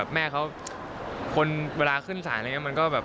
เอ็นดูว่าส่วนตัวที่ดูนี่ก็ถือแต่ครับ